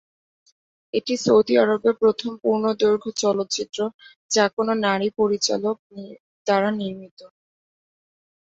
এটি সৌদি আরবের প্রথম পূর্ণদৈর্ঘ্য চলচ্চিত্র যা কোন নারী চলচ্চিত্র পরিচালক দ্বারা নির্মিত।